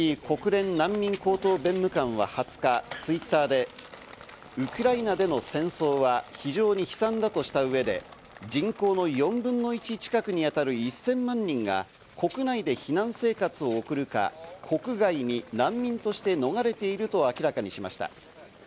国連難民高等弁務官は２０日、Ｔｗｉｔｔｅｒでウクライナでの戦争は非常に悲惨だとした上で、人口の４分の１近くに当たる１０００万人が国内で避難生活を送るか国外に難民として逃れていると明らかにしました。